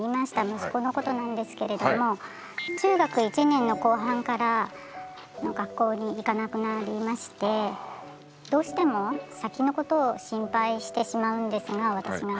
息子のことなんですけれども中学１年の後半から学校に行かなくなりましてどうしても先のことを心配してしまうんですが私が。